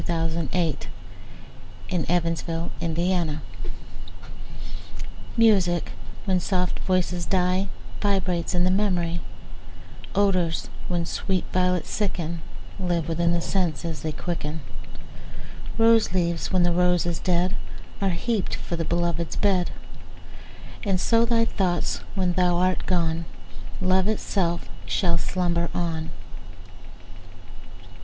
"Music, when soft voices die" MUSIC, when soft voices die, Vibrates in the memory; Odours, when sweet violets sicken, Live within the sense they quicken; Rose leaves, when the rose is dead, Are heap'd for the belovèd's bed:And so thy thoughts, when thou art gone, Love itself shall slumber on.